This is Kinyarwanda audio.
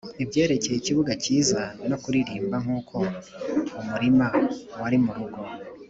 ibyerekeye ikibuga cyiza no kuririmba nkuko umurima wari murugo,